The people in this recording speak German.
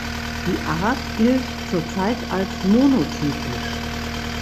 Die Art gilt zur Zeit als monotypisch.